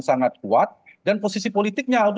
sangat kuat dan posisi politiknya